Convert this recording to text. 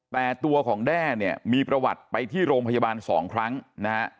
แต่ตัวของแด้เนี่ยมีประวัติไปที่โรงพยาบาลสองครั้งนะฮะ